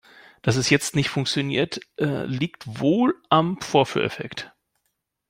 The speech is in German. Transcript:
Dass es jetzt nicht funktioniert, liegt wohl am Vorführeffekt.